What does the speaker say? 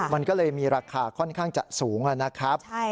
มันก็เลยมีราคาค่อนข้างจะสูงนะครับ